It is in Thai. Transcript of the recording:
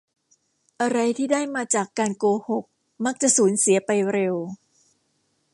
อะไรที่ได้มาจากการโกหกมักจะสูญเสียไปเร็ว